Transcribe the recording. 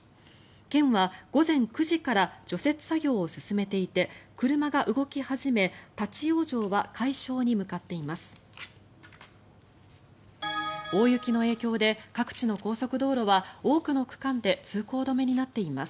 県は午前９時から除雪作業を進めていて車が動き始め、立ち往生は解消に向かっています。